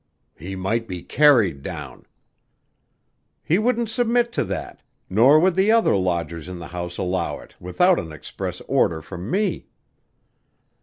"He might be carried down." "He wouldn't submit to that, nor would the other lodgers in the house allow it without an express order from me."